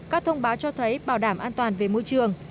các thông báo cho thấy bảo đảm an toàn về môi trường